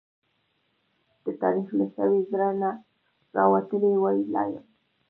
د تاريخ له سوي زړه نه، راوتلې واوي لا يم